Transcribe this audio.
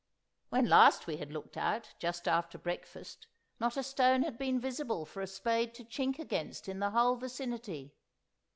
When last we had looked out, just after breakfast, not a stone had been visible for a spade to chink against in the whole vicinity.